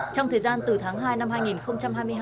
trong thời gian từ tháng hai năm hai nghìn hai mươi hai